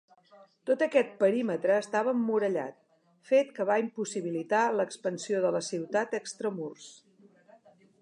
Tot aquest perímetre estava emmurallat, fet que va impossibilitar l'expansió de la ciutat extramurs.